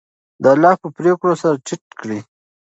د الله په پرېکړو سر ټیټ کړئ.